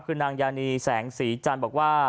คือนางยานีแสงศรีจัลบังว่า